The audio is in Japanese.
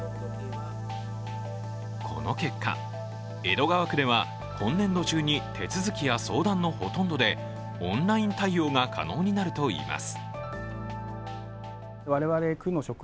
この結果、江戸川区では今年度中に手続きや相談のほとんどでオンライン対応が可能になるといいます。